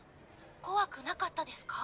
怖くなかったですか？